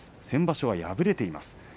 先場所は敗れています。